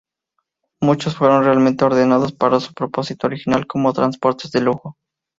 Muchos fueron realmente ordenados para su propósito original como transportes de lujo.